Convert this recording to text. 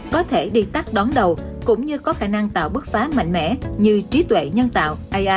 có thể đi tắt đón đầu cũng như có khả năng tạo bước phá mạnh mẽ như trí tuệ nhân tạo